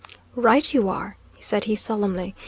"Right you are," said he solemnly.